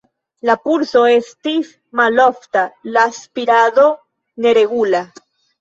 La pulso estis malofta, la spirado neregula.